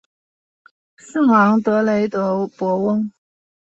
圣昂德雷德博翁。